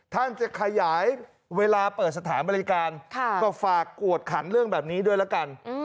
ท่านจะขยายเวลาเปิดสถานบริการก็ฝากกวดขันเรื่องแบบนี้ด้วยละกัน